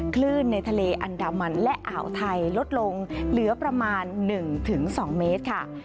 คลื่นในทะเลอันดามันและอ่าวไทยลดลงเหลือประมาณ๑๒เมตรค่ะ